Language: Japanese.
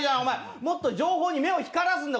もっと情報に目を光らすんだよ。